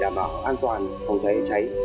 trả giá hơn để phòng cháy